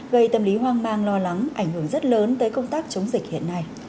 gây tâm lý hoang mang lo lắng ảnh hưởng rất lớn tới công tác chống dịch hiện nay